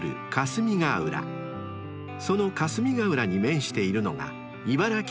［その霞ヶ浦に面しているのが］